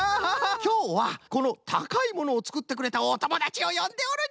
きょうはこの「たかいもの」をつくってくれたおともだちをよんでおるんじゃよ！